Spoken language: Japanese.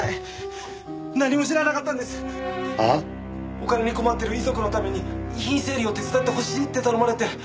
お金に困ってる遺族のために遺品整理を手伝ってほしいって頼まれて。